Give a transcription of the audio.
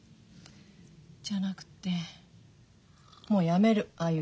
じゃなくてもうやめるああいう教室。